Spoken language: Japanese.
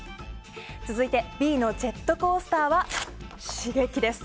続いてＢのジェットコースターは刺激です。